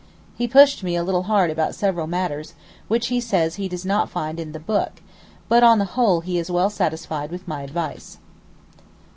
He pushed me a little hard about several matters, which he says he does not find in 'the Book': but on the whole he is well satisfied with my advice.